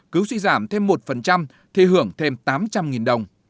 cứ suy giảm thêm một thì hưởng thêm tám trăm linh đồng